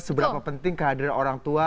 seberapa penting kehadiran orang tua